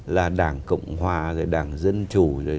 là đảng cộng hòa rồi đảng dân chủ rồi